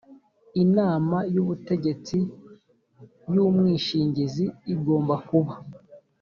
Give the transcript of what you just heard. inama y ubutegetsi y umwishingizi igomba kuba